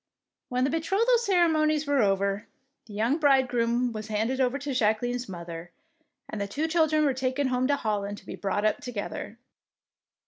When the betrothal ceremonies were over, the young bridegroom was handed over to Jacqueline's mother, and the two children were taken home to Hol land to be brought up together.